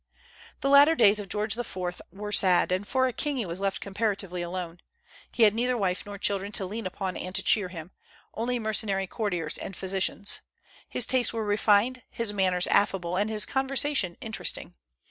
The latter days of George IV. were sad, and for a king he was left comparatively alone. He had neither wife nor children to lean upon and to cheer him, only mercenary courtiers and physicians. His tastes were refined, his manners affable, and his conversation interesting.